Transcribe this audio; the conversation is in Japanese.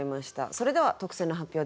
それでは特選の発表です。